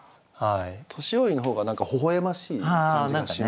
「年用意」の方が何かほほ笑ましい感じがしますね。